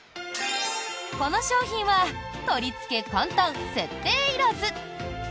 この商品は取りつけ簡単、設定いらず。